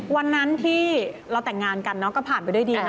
วันนั้นที่เราแต่งงานกันเนาะก็ผ่านไปด้วยดีนะ